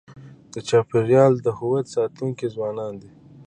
د چاپېریال د هویت ساتونکي ځوانان دي.